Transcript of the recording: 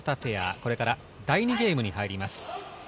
これから第２ゲームに入ります。